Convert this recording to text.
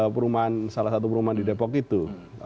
perumahan salah satu perumahan di depok itu